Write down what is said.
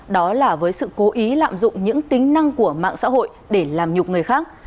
đó là với sự cố ý lạm dụng những tính năng của mạng xã hội để làm nhục người khác